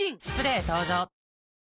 スプレー登場！